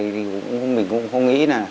mình cũng không nghĩ